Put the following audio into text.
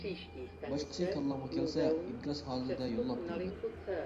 باشقىسى كاللامغا كەلسە ئىنكاس ھالىتىدە يوللاپ تۇرىمەن.